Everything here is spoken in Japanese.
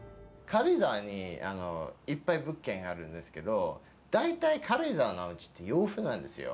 軽井沢にいっぱい物件あるんですけど、大体軽井沢のうちって洋風なんですよ。